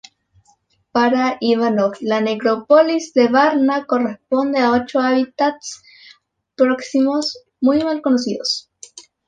Para Ivanov, la necrópolis de Varna corresponde a ocho hábitats próximos, muy mal conocidos.